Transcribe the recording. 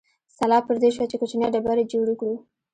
سلا پر دې شوه چې کوچنۍ ډبرې جوړې کړو.